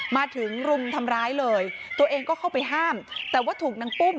มาถึงรุมทำร้ายเลยตัวเองก็เข้าไปห้ามแต่ว่าถูกนางปุ้ม